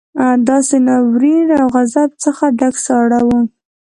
داسې له ناورين او غضب څخه ډک ساړه وو.